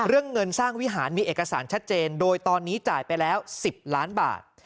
เรื่องเงินสร้างวิหารมีเอกสารชัดเจนโดยตอนนี้จ่ายไปแล้ว๑๐ล้านบาท